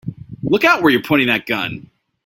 Look out where you're pointing that gun!